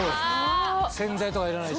洗剤とかいらないしね。